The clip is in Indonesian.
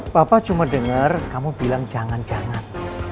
papa cuma dengar kamu bilang jangan jangan